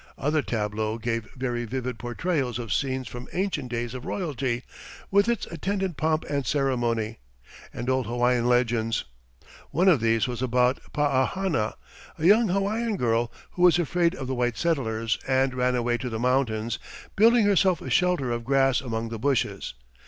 Other tableaux gave very vivid portrayals of scenes from ancient days of royalty, with its attendant pomp and ceremony, and old Hawaiian legends. One of these was about Paahana, a young Hawaiian girl, who was afraid of the white settlers, and ran away to the mountains, building herself a shelter of grass among the bushes.